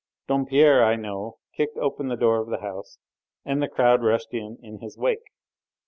Dompierre, I know, kicked open the door of the house, and the crowd rushed in, in his wake.